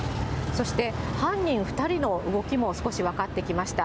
そして、犯人２人の動きも少し分かってきました。